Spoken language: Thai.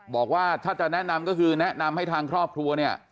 บอกว่าถ้าจะแนะนำก็คือแนะนำให้ทางครอบครัวเนี่ย